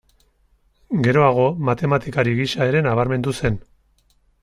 Geroago, matematikari gisa ere nabarmendu zen.